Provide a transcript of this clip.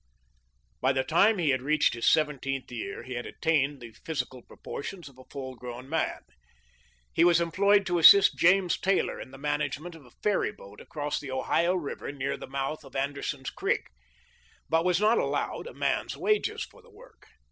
By the time he had reached his seventeenth year he had attained the physical proportions of a full grown man. He was employed to assist James Taylor in the management of a ferry boat across the Ohio river near the mouth of Anderson's creek, but was not allowed a man's wages for the work.